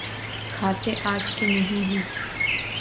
کھاتے آج کے نہیں ہیں۔